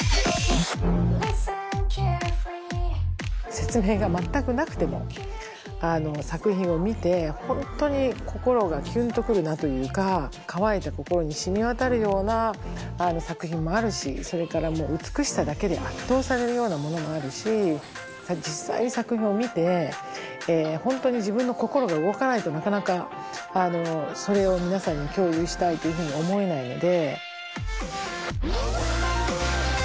説明が全くなくても作品を見て本当に心がキュンと来るなというか渇いた心にしみ渡るような作品もあるしそれからもう美しさだけで圧倒されるようなものもあるし実際に作品を見て本当に自分の心が動かないとなかなかそれを皆さんに共有したいというふうに思えないので。